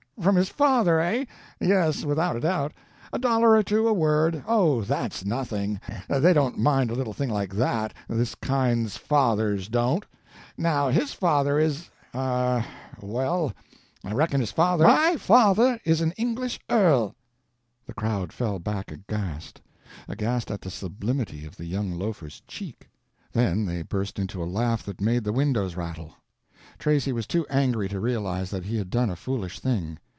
From his father—eh? Yes—without a doubt. A dollar or two a word—oh, that's nothing—they don't mind a little thing like that—this kind's fathers don't. Now his father is—er—well, I reckon his father—" "My father is an English earl!" The crowd fell back aghast aghast at the sublimity of the young loafer's "cheek." Then they burst into a laugh that made the windows rattle. Tracy was too angry to realize that he had done a foolish thing.